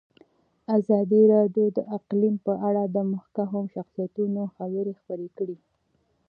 ازادي راډیو د اقلیم په اړه د مخکښو شخصیتونو خبرې خپرې کړي.